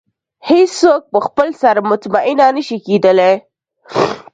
هېڅ څوک په خپل سر مطمئنه نه شي کېدلی.